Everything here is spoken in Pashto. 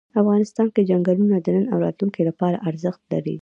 افغانستان کې ځنګلونه د نن او راتلونکي لپاره ارزښت لري.